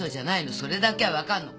それだけはわかるの。